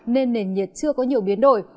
nên nền nhiệt chưa có nhiều biến đổi